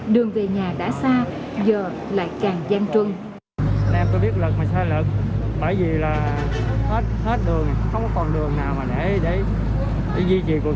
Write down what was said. đường về nhà đã xa giờ lại càng gian trưng